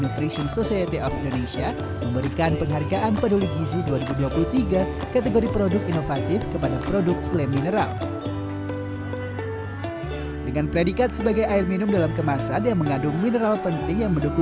pembangunan gizi dan pangan indonesia